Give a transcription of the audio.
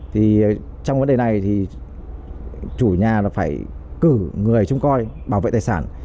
trong vấn đề này thì chủ nhà phải cử người chung coi bảo vệ tài sản